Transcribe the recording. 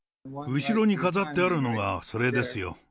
後ろに飾ってあるのがそれですよ。